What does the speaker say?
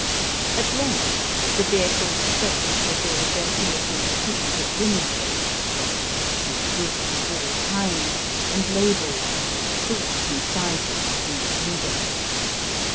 At length, the vehicle stopped before a dirty looking ticketed linendraper's shop, with goods of all kinds, and labels of all sorts and sizes, in the window.